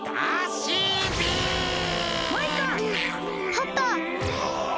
パパ！